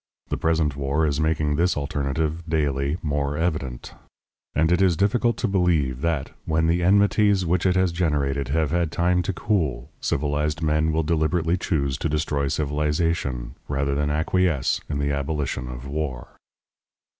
The present war is making this alternative daily more evident. And it is difficult to believe that, when the enmities which it has generated have had time to cool, civilized men will deliberately choose to destroy civilization, rather than acquiesce in the abolition of war.